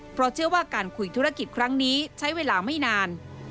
เพราะเชื่อว่าการคุยธุรกิจครั้งนี้ใช้เวลาไม่นาน